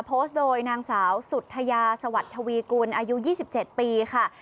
โพสต์โดยนางสาวสุธยาสวัสดิ์ทวีกุลอายุ๒๗ปีค่ะ